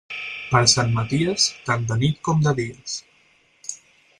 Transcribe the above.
Per Sant Maties, tant de nit com de dies.